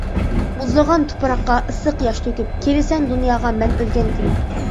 مۇزلىغان تۇپراققا ئىسسىق ياش تۆكۈپ، كېلىسەن دۇنياغا مەن ئۆلگەن كۈنى.